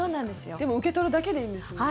でも、受け取るだけでいいんですもんね。